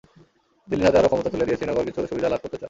দিল্লির হাতে আরও ক্ষমতা তুলে দিয়ে শ্রীনগর কিছু সুবিধা লাভ করতে চায়।